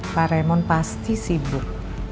pak raymond pasti sibuk